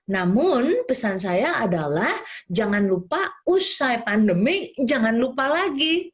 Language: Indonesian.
namun pesan saya adalah jangan lupa usai pandemi jangan lupa lagi